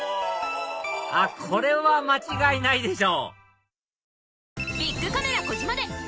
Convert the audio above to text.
あっこれは間違いないでしょ